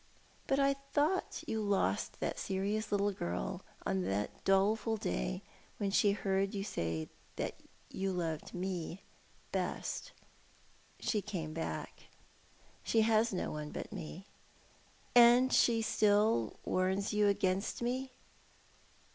But I thought you lost that serious little girl on the doleful day when she heard you say that you loved me best." "She came back. She has no one but me." "And she still warns you against me?"